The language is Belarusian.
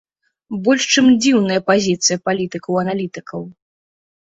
Больш чым дзіўная пазіцыя палітыкаў-аналітыкаў!